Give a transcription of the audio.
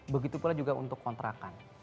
begitu pula juga untuk kontrakan